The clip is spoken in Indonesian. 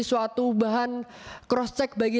suatu bahan cross check bagi